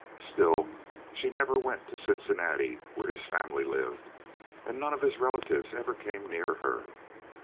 Still, she never went to Cincinnati, where his family lived, and none of his relatives ever came near her.